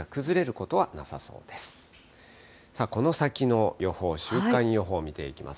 この先の予報、週間予報見ていきます。